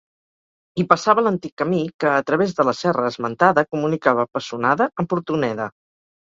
Hi passava l'antic camí que, a través de la serra esmentada, comunicava Pessonada amb Hortoneda.